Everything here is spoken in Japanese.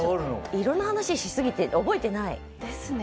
いろんな話しすぎて覚えてない。ですね。